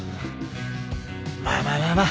まあまあまあまあ。